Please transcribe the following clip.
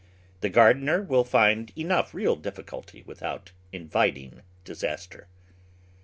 The gardener will find enough real difficulty without inviting disaster.